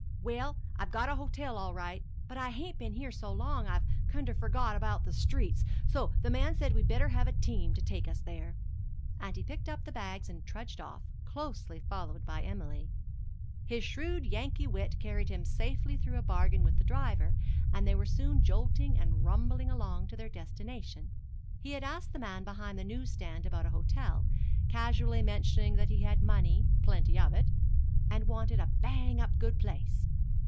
"Well, I've got a hotel all right; but I hain't been here for so long I've kinder forgot about the streets, so the man said we'd better have a team to take us there." And he picked up the bags and trudged off, closely followed by Emily. His shrewd Yankee wit carried him safely through a bargain with the driver, and they were soon jolting and rumbling along to their destination. He had asked the man behind the news stand about a hotel, casually mentioning that he had money plenty of it and wanted a "bang up good place."